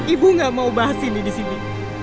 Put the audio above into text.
ibu gak mau bahas ini disini